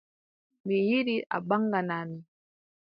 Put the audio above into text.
Mi yiɗi a ɓaŋgana mi.